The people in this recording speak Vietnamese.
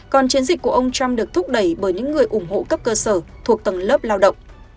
còn chiến dịch của ông trump được thúc đẩy bởi những người ủng hộ cấp cơ sở thuộc tầng lớp lao động